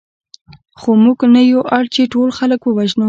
خو موږ نه یو اړ چې ټول خلک ووژنو